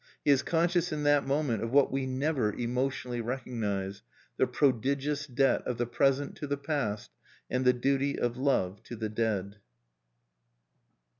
He is conscious in that moment of what we never emotionally recognize, the prodigious debt of the present to the past, and the duty of love to the dead.